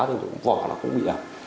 thì vỏ nó cũng bị ẩm